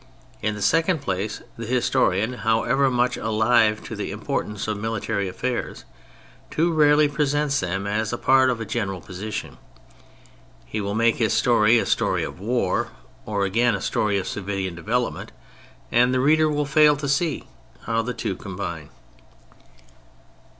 In the second place, the his torian, however much alive to the import ance of military affairs, too rarely presents them as part of a general position. He will make his story a story of war, or again, a story of civilian development, and the reader will fail to see how the two combine.